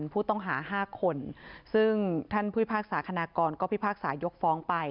พูดต้องหา๕คนซึ่งท่านพุทธภาษาคณะกรก็พิภาษายกฟ้องไป